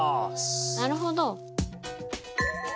なるほど。